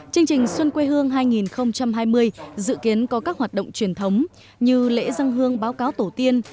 chương trình xuân quê hương hai nghìn hai mươi dự kiến có các hoạt động truyền thống như lễ dân hương báo cáo tổ tiên